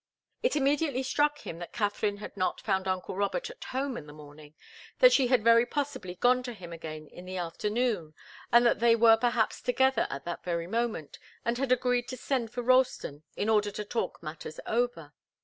It immediately struck him that Katharine had not found uncle Robert at home in the morning, that she had very possibly gone to him again in the afternoon, and that they were perhaps together at that very moment, and had agreed to send for Ralston in order to talk matters over.